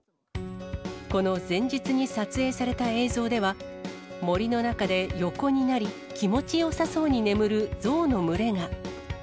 この前日に撮影された映像では、森の中で横になり、気持ちよさそうに眠るゾウの群れが。